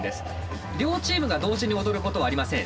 両チームが同時に踊ることはありません。